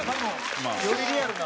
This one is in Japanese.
よりリアルな。